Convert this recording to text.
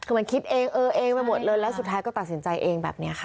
คือมันคิดเองเออเองไปหมดเลยแล้วสุดท้ายก็ตัดสินใจเองแบบนี้ค่ะ